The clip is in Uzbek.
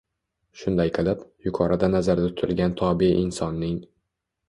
Shunday qilib, yuqorida nazarda tutilgan tobe insonning